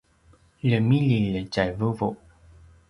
ljemilji tjai vuvu